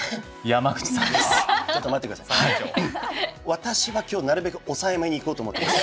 私は今日なるべく抑えめにいこうと思ってます。